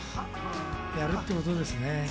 やるっていうことですね。